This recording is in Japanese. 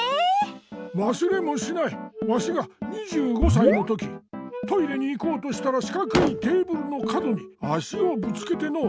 わすれもしないわしが２５さいのときトイレにいこうとしたらしかくいテーブルのかどにあしをぶつけてのう。